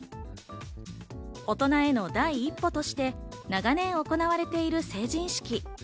大人への第一歩として長年行われている成人式。